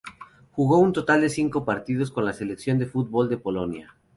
Jugó un total de cinco partidos con la selección de fútbol de Polonia.